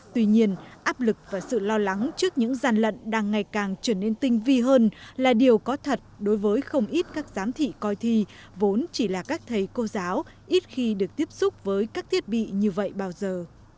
tuy nhiên áp lực và sự lo lắng trước những gian lận đang ngày càng trở nên tinh vi hơn là điều có thật đối với không ít các giám thị coi thi vốn chỉ là các thầy cô giáo ít khi được tiếp xúc với các thiết bị như vậy bao giờ